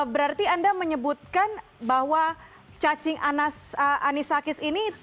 berarti anda menyebutkan bahwa cacing anisakis ini tidak begitu berlebihan